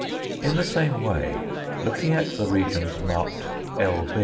In the same way, looking at the regions marked 1.